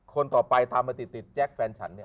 คนต่อไปตามมาติดแจ็คแฟนฉันเนี่ย